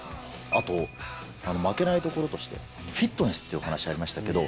あと、負けないところとして、フィットネスというお話ありましたけど。